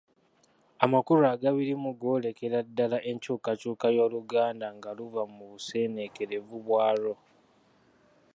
Amakulu agabirimu goolekera ddala enkyukakyuka y’Oluganda nga luva mu buseneekerevu bwalwo